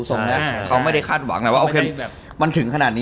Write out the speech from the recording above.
แต่ว่าเขาทำทีมระยะยาวดูทรงนั้น